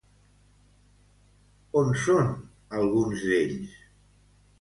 On són alguns d'ells?